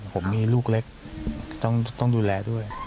ผมมีลูกเล็กต้องดูแลด้วย